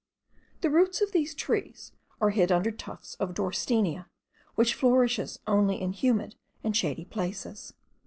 The roots of these trees are hid under tufts of dorstenia, which flourishes only in humid and shady places.